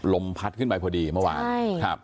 ลมพัดขึ้นไปพอดีเมื่อวาน